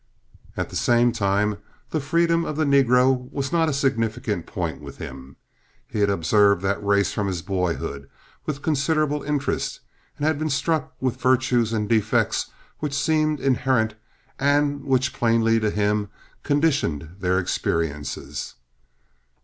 At the same time, the freedom of the negro was not a significant point with him. He had observed that race from his boyhood with considerable interest, and had been struck with virtues and defects which seemed inherent and which plainly, to him, conditioned their experiences.